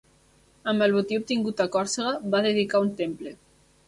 Amb el botí obtingut a Còrsega va dedicar un temple.